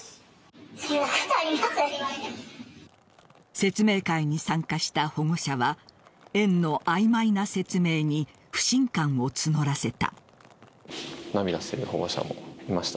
説明会に参加した保護者は園の曖昧な説明に不信感を募らせた。